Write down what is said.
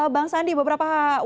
bang sandi beberapa wawasan